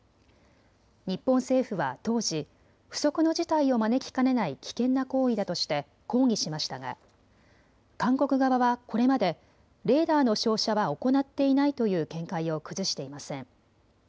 日本政府は当時、不測の事態を招きかねない危険な行為だとして抗議しましたが韓国側はこれまでレーダーの照射は行っていないという見解を崩していません。